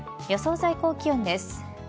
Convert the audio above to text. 予想最高気温です。